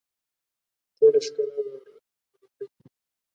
ټوله ښکلا واړه دي.